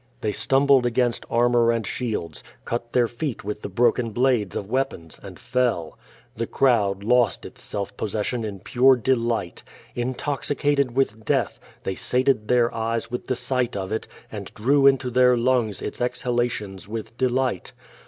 They stumbled against armor and shields, cut their feet with the broken blades of weapons, and fell. The crowd lost its self possession in pure delight. Intoxicated with death, they sated their eyes with the sight of it, and drew into their lungs its exhalations with delight.